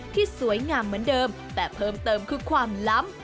ที่สวยงามเหมือนเดิมแต่เพิ่มเติมคือความล้ำ